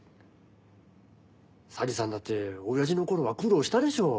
佐治さんだって親父の頃は苦労したでしょう？